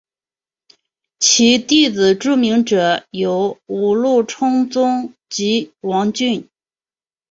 其弟子著名者有五鹿充宗及王骏。